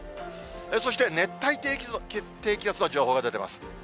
そして熱帯低気圧の情報が出てます。